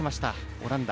オランダ。